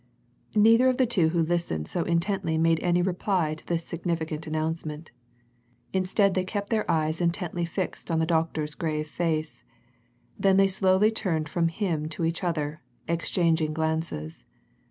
Neither of the two who listened so intently made any reply to this significant announcement. Instead they kept their eyes intently fixed on the doctor's grave face; then they slowly turned from him to each other, exchanging glances.